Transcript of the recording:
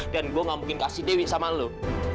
dan gue gak mungkin kasih dewi sama lo